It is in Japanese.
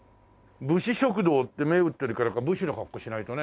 武士食堂って銘打ってるから武士の格好しないとね。